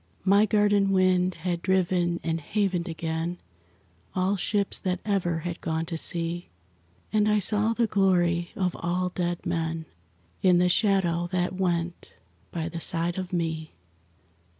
My garden wind had driven and havened again All ships that ever had gone to sea, And I saw the glory of all dead men In the shadow that went by the side of me.